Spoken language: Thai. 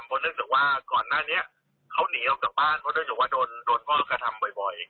เพราะเนื่องจากว่าก่อนหน้านี้เขาหนีออกจากบ้านเพราะเนื่องจากว่าโดนพ่อกระทำบ่อย